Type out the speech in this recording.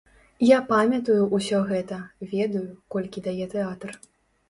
Я памятаю ўсё гэта, ведаю, колькі дае тэатр.